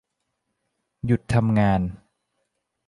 หยุดทำงาน